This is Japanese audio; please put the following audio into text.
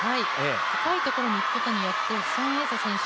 深いところにいくことによって孫エイ莎選手